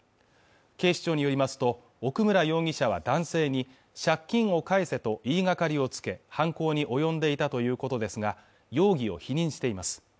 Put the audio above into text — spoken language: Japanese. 警視庁によりますと奥村容疑者は男性に借金を返せと言いがかりをつけ犯行に及んでいたということですが容疑を否認しています